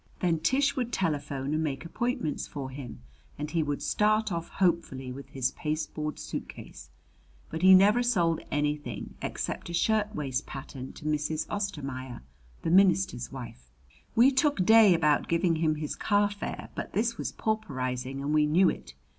Then Tish would telephone and make appointments for him, and he would start off hopefully, with his pasteboard suitcase. But he never sold anything except a shirt waist pattern to Mrs. Ostermaier, the minister's wife. We took day about giving him his carfare, but this was pauperizing and we knew it.